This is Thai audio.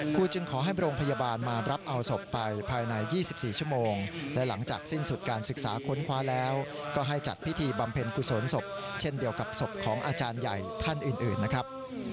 จึงขอให้โรงพยาบาลมารับเอาศพไปภายใน๒๔ชั่วโมงและหลังจากสิ้นสุดการศึกษาค้นคว้าแล้วก็ให้จัดพิธีบำเพ็ญกุศลศพเช่นเดียวกับศพของอาจารย์ใหญ่ท่านอื่นนะครับ